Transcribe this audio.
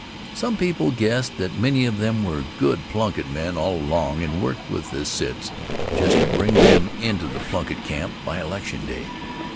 Some people guessed that many of them were good Plunkitt men all along and worked with the Cits just to bring them into the Plunkitt camp by election day.